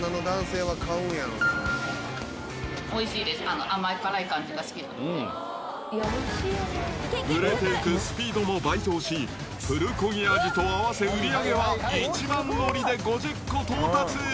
おいしいです、売れていくスピードも倍増し、プルコギ味と合わせ売り、一番乗りで５０個到達。